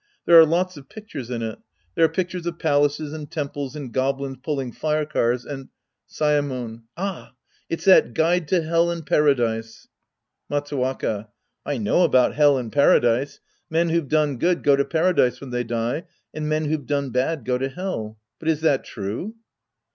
There are lots of pictures in it. There are pictures of palaces and temples and goblins pulling fire cars and — Saemon. Ah. It's that " Guide to Hell and Paradise." Matsuwaka. I know about Hell and Paradise. Men who've done good go to Paradise when they die, and men who've done bad go to Hell. But is that true